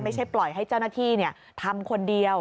ไม่ใช่ปล่อยให้เจ้าหน้าที่ทำคนเดียว